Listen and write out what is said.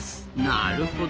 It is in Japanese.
なるほど！